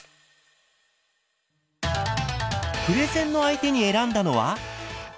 プレゼンの相手に選んだのは。